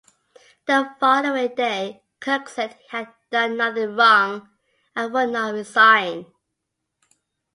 The following day, Cook said he had done nothing wrong and would not resign.